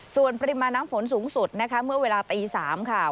ส่วนปริมาณน้ำฝนสูงสุดนะคะเมื่อเวลาตี๓ค่ะ